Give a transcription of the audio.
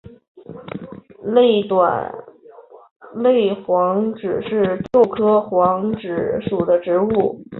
类短肋黄耆是豆科黄芪属的植物。